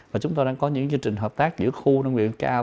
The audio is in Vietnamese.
và chúng tôi đang có những chương trình hợp tác giữa khu nông nghiệp cao